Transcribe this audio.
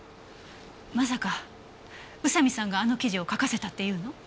まさか宇佐見さんがあの記事を書かせたっていうの？